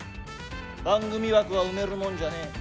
番組枠は埋めるもんじゃねえ。